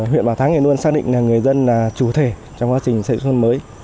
huyện bảo thắng luôn xác định là người dân là chủ thể trong quá trình xây dựng nông thuận mới